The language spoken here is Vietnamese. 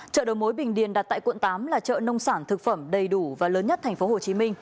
chợ đầu mối bình điền đặt tại quận tám là chợ nông sản thực phẩm đầy đủ và lớn nhất tp hcm